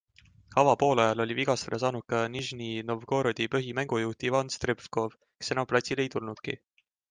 Avapoolajal oli vigastada saanud ka NIžni Novgorodi põhimängujuht Ivan Strebkov, kes enam platsile ei tulnudki.